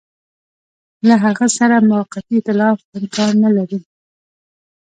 له هغه سره موقتي ایتلاف امکان نه لري.